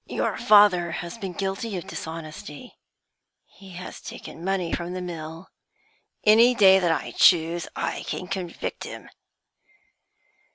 'Your father has been guilty of dishonesty; he has taken money from the mill. Any day that I choose I can convict him.'